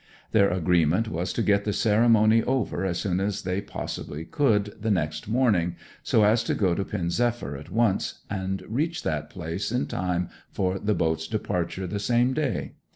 Their agreement was to get the ceremony over as soon as they possibly could the next morning, so as to go on to Pen zephyr at once, and reach that place in time for the boat's departure the same day.